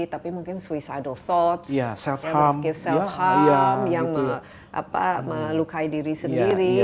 tapi mungkin suicidal thoughts self harm yang melukai diri sendiri